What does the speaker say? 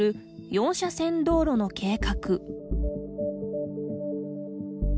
４車線道路の計画。